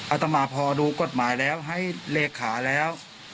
อาตมาพอดูกฎหมายแล้วให้เลขาแล้ว